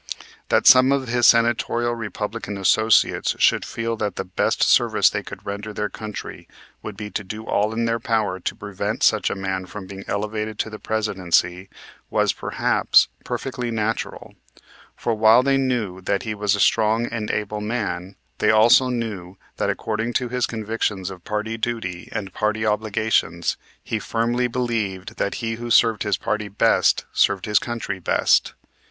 That some of his senatorial Republican associates should feel that the best service they could render their country would be to do all in their power to prevent such a man from being elevated to the Presidency was, perhaps, perfectly natural: for while they knew that he was a strong and able man, they also knew that, according to his convictions of party duty and party obligations, he firmly believed that he who served his party best served his country best.